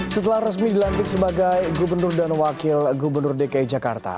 setelah resmi dilantik sebagai gubernur dan wakil gubernur dki jakarta